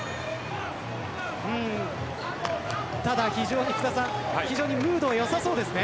ただ非常にムードは良さそうですね。